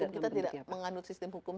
kita tidak menganut sistem hukum